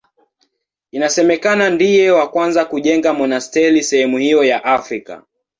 Inasemekana ndiye wa kwanza kujenga monasteri sehemu hiyo ya Afrika.